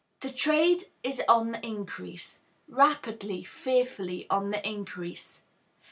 The trade is on the increase, rapidly, fearfully on the increase.